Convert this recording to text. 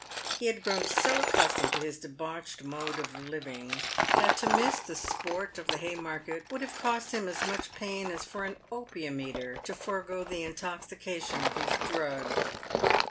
He had grown so accustomed to his debauched mode of living, that to miss the sport of the Haymarket would have cost him as much pain as for an opium eater to forego the intoxication of his drug.